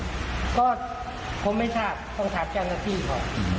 ก็ผมไม่ทราบต้องถามเจ้าหน้าที่ก่อน